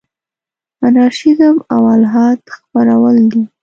انارشیزم او الحاد خپرول دي.